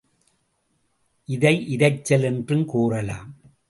இதை இரைச்சல் என்றுங் கூறலாம்.